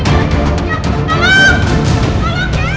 gila sih kenapa mama bisa jatuh